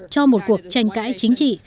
cho một cuộc tranh cãi chính trị